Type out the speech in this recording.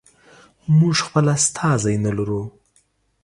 موږ خپل استازی نه لرو.